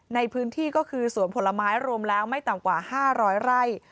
ในพื้นที่ก็คือสวนผลไม้รวมแล้วไม่ต่ำกว่า๕๐๐ไร่